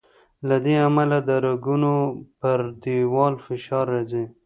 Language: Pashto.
له دې امله د رګونو پر دیوال فشار راځي.